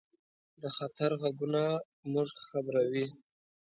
د خطر غږونه موږ خبروي.